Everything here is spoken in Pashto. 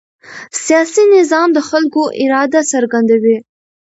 سیاسي نظام د خلکو اراده څرګندوي